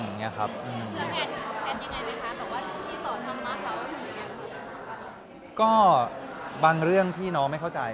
คือแอดยังไงนะคะบางเรื่องที่น้องไม่เข้าใจ